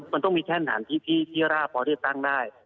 มันต้องมีแท่นฐานที่ราบพอที่จะตั้งได้